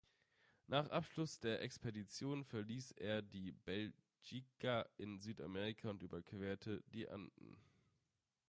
Nach Abschluss der Expedition verließ er die "Belgica" in Südamerika und überquerte die Anden.